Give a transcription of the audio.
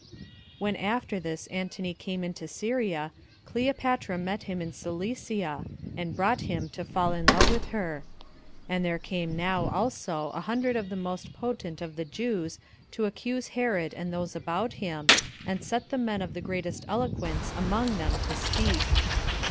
1. When after this Antony came into Syria, Cleopatra met him in Cilicia, and brought him to fall in love with her. And there came now also a hundred of the most potent of the Jews to accuse Herod and those about him, and set the men of the greatest eloquence among them to speak.